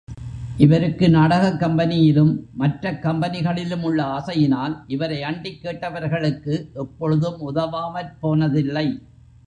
இவருக்கு நாடகக் கம்பெனியிலும் மற்றக் கம்பெனிகளிலும் உள்ள ஆசையினால், இவரை அண்டிக் கேட்டவர்களுக்கு, எப்பொழுதும் உதவாமற் போனதில்லை.